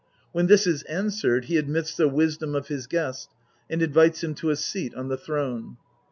When this is answered he admits the wisdom of his guest, and invites him to a seat on the throne.